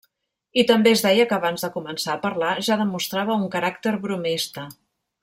I també es deia que abans de començar a parlar, ja demostrava un caràcter bromista.